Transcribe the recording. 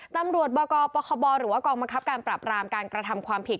ตำรวจบกปคบหรือว่ากองบังคับการปรับรามการกระทำความผิด